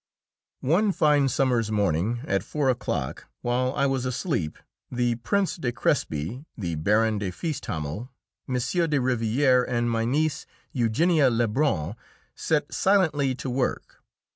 One fine summer's morning, at four o'clock, while I was asleep, the Prince de Crespy, the Baron de Feisthamel, M. de Rivière, and my niece, Eugenia Lebrun, set silently to work.